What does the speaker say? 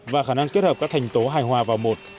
và khả năng kết hợp các thành tố hài hòa vào một